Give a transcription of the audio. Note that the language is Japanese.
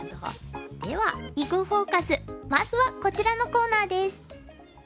では「囲碁フォーカス」まずはこちらのコーナーです。